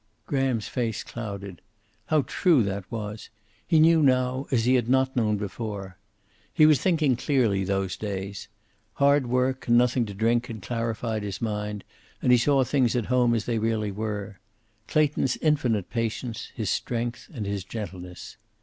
Graham's face clouded. How true that was! He knew now, as he had not known before. He was thinking clearly those days. Hard work and nothing to drink had clarified his mind, and he saw things at home as they really were. Clayton's infinite patience, his strength and his gentleness.